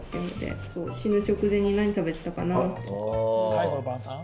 最後の晩さん？